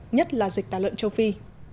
nhất là dịch tà lợn châu phi